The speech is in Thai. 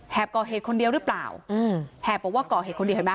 ก่อเหตุคนเดียวหรือเปล่าอืมแหบบอกว่าก่อเหตุคนเดียวเห็นไหม